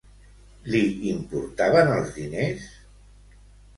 Li importaven els diners?